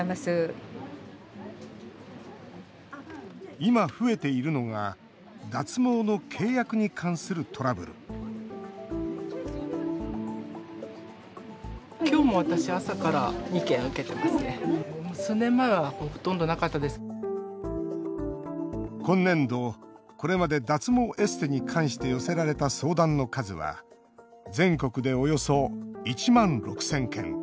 今、増えているのが脱毛の契約に関するトラブル今年度、これまで脱毛エステに関して寄せられた相談の数は全国で、およそ１万６０００件。